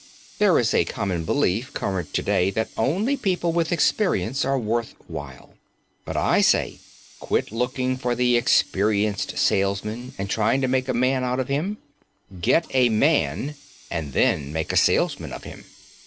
There is a common belief current to day that only people with experience are worth while. But I say: Quit looking for the experienced salesmen and trying to make a man out of him; get a man, and then make a salesman of him.